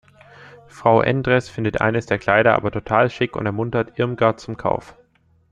Frau Endress findet eines der Kleider aber total schick und ermuntert Irmgard zum Kauf.